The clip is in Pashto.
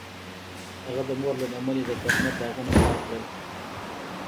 هغه د مور له لمنې د تهمت داغونه پاک کړل.